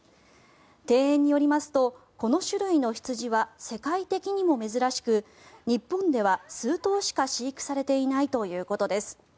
庭園によりますとこの種類の羊は世界的にも珍しく日本では数頭しか飼育されていないということです。